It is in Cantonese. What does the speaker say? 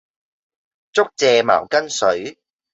竹蔗茅根水